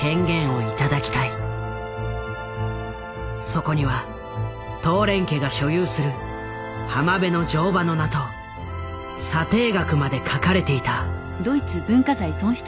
そこにはトーレン家が所有する「浜辺の乗馬」の名と査定額まで書かれていた。